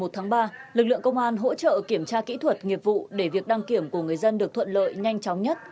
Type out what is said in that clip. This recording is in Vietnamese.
tháng ba lực lượng công an hỗ trợ kiểm tra kỹ thuật nghiệp vụ để việc đăng kiểm của người dân được thuận lợi nhanh chóng nhất